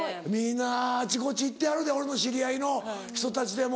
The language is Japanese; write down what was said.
皆あちこち行ってはるで俺の知り合いの人たちでも。